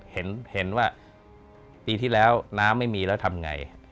เห็นว่าปีที่แล้วน้ำไม่มีแล้วทำไง